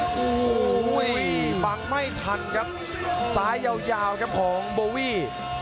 โอ้โหฟังไม่ทันครับซ้ายยาวครับของโบวี่